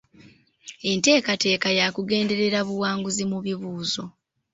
Enteekateeka yakugenderera buwanguzi mu bibuuzo.